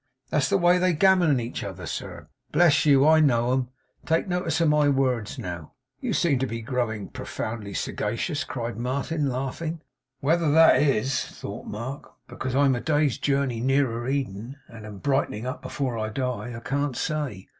That's the way they gammon each other, sir. Bless you, I know 'em. Take notice of my words, now!' 'You seem to be growing profoundly sagacious!' cried Martin, laughing. 'Whether that is,' thought Mark, 'because I'm a day's journey nearer Eden, and am brightening up afore I die, I can't say.